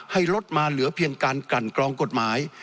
ให้ลดมาเหลือเพียงการกรรมกฎหมาย